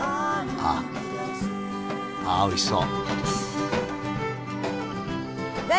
ああおいしそう。